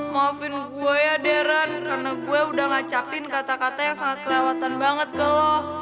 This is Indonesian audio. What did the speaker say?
maafin gue ya deran karena gue udah ngacapin kata kata yang sangat kelewatan banget kalau